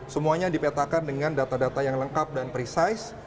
semuanya dipetakan dengan data data yang lengkap dan precise